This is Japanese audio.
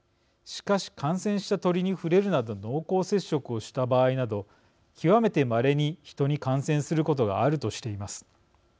しかし、感染したトリに触れるなど濃厚接触をした場合など極めて、まれに人に感染することがある」としています。